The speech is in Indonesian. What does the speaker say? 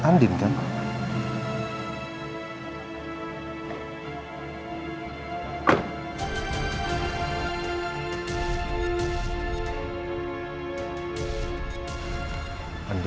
tunggu aku mau kembali